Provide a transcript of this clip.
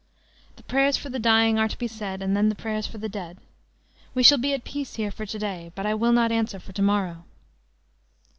The prayers for the dying are to be said, and then the prayers for the dead. We shall be at peace here for to day; but I will not answer for to morrow."